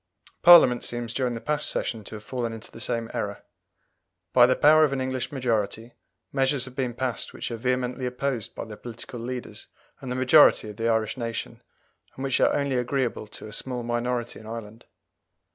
Parliament seems during the past Session to have fallen into the same error. By the power of an English majority, measures have been passed which are vehemently opposed by the political leaders and the majority of the Irish nation, and which are only agreeable to a small minority in Ireland.